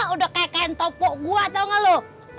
udah kayak kentopo gue tau gak lo